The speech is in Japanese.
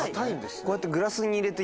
こうやって。